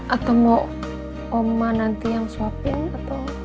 atau mau oma nanti yang swapin atau